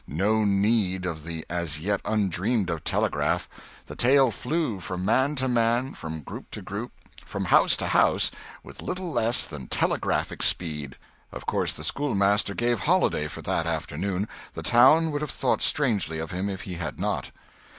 No need of the as yet un dreamed of telegraph; the tale flew from man to man, from group to group, from house to house, with little less than telegraphic speed. Of course the schoolmaster gave holi day for that afternoon; the town would have thought strangely of him if he had not.